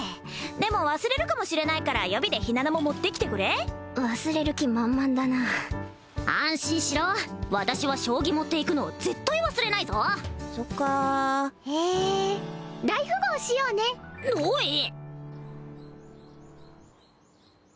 でも忘れるかもしれないから予備でひなのも持ってきてくれ忘れる気満々だな安心しろ私は将棋持っていくのを絶対忘れないぞそっかーへえー大富豪しようねおい！